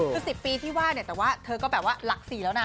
คือ๑๐ปีที่ว่าเนี่ยแต่ว่าเธอก็แบบว่าหลัก๔แล้วนะ